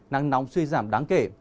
nắng nóng suy giảm đáng kể